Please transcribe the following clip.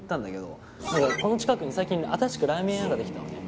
この近くに最近新しくラーメン屋が出来たのね。